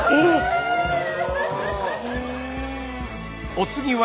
お次は。